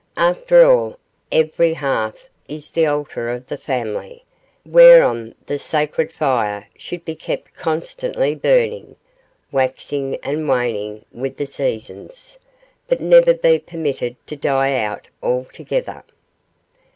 After all, every hearth is the altar of the family, whereon the sacred fire should be kept constantly burning, waxing and waning with the seasons, but never be permitted to die out altogether.